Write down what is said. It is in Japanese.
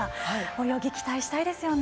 泳ぎ、期待したいですよね。